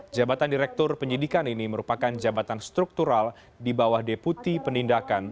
jabatan direktur penyidikan ini merupakan jabatan struktural di bawah deputi penindakan